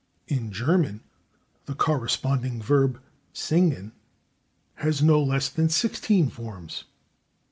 In German the corresponding verb, /singen/, has no less than sixteen forms.